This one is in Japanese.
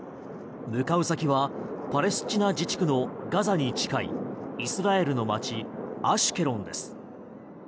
向かう先はパレスチナ自治区のガザに近いイスラエルの街アシュケロンです。